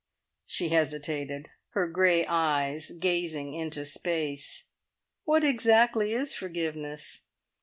She hesitated, her grey eyes gazing into space. "What exactly is forgiveness?